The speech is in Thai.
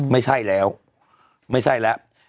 ไม่ใช่แล้วไม่ใช่แล้ว